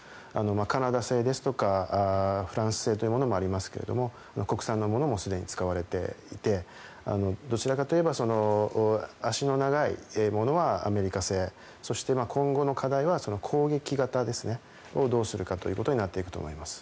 カナダ製ですとかフランス製というものもありますが国産のものもすでに使われていてどちらかといえば足の長いものはアメリカ製そして、今後の課題は攻撃型をどうするかということになってくると思います。